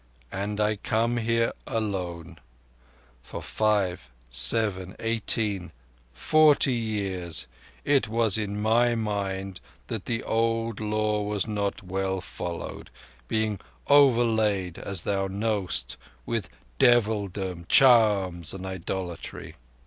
"And I come here alone. For five—seven—eighteen—forty years it was in my mind that the Old Law was not well followed; being overlaid, as thou knowest, with devildom, charms, and idolatry.